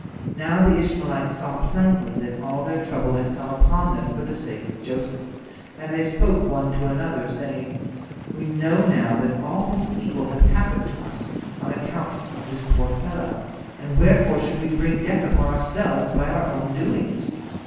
Now the Ishmaelites saw plainly that all their trouble had come upon them for the sake of Joseph, and they spoke one to another, saying: "We know now that all this evil hath happened to us on account of this poor fellow, and wherefore should we bring death upon ourselves by our own doings?